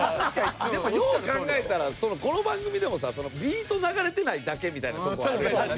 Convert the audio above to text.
でもよう考えたらこの番組でもさビート流れてないだけみたいなとこあるよな。